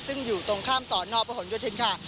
ซึ่งอยู่ตรงข้ามสนพยศิโยธินทร์